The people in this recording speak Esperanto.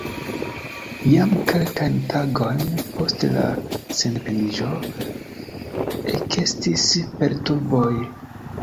Jam kelkajn tagojn post la sendependiĝo ekestis perturboj.